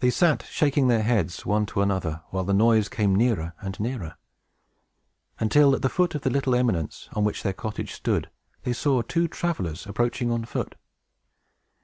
They sat shaking their heads, one to another, while the noise came nearer and nearer; until, at the foot of the little eminence on which their cottage stood, they saw two travelers approaching on foot.